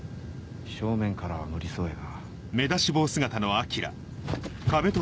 正面からは無理そうやな。